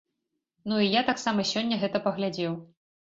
Ну і я таксама сёння гэта паглядзеў.